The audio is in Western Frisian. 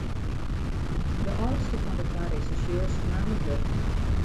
De âldste fan de twa resjersjeurs naam it wurd.